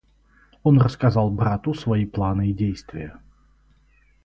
Он рассказал брату свои планы и действия.